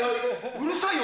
うるさいよ